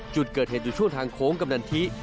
จุดเกิดเหตุอยู่ช่วงทางโค้งกำนันทิ